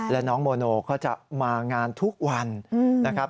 และน้องโมโนเขาจะมางานทุกวันนะครับ